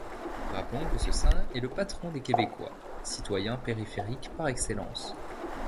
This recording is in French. Rappelons que ce saint est le patron des québécois, citoyens périphériques par excellence.